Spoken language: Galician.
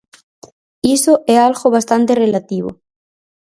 Iso é algo bastante relativo.